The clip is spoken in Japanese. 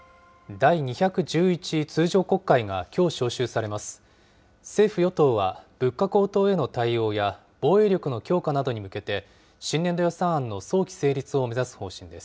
第２１１通常国会がきょう召集されます。